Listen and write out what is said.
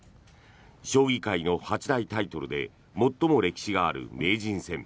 将棋界の八大タイトルで最も歴史がある名人戦。